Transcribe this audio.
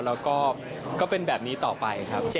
แล้วก็เป็นแบบนี้ต่อไปครับ